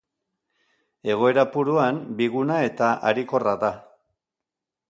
Egoera puruan biguna eta harikorra da.